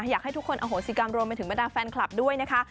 อยากให้ทุกคนอโหสิกรรมรวมไปถึงบรรดาแฟนคลับด้วยนะคะ